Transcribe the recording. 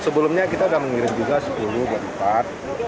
sebelumnya kita sudah mengirim juga sepuluh berikutnya